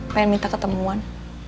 pengen minta ketemuan